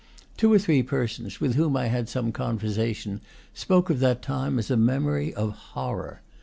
Two or three persons, with whom I had some conversation, spoke of that time as a memory of horror.